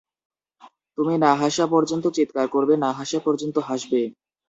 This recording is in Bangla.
তুমি না হাসা পর্যন্ত চিৎকার করবে, না হাসা পর্যন্ত হাসবে।